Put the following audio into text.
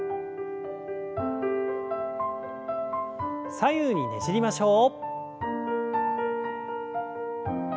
左右にねじりましょう。